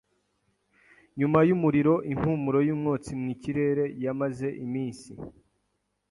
Nyuma yumuriro, impumuro yumwotsi mwikirere yamaze iminsi.